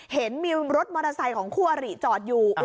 เห็นมีรถมอเตอร์ไซค์ของคู่อริจอดอยู่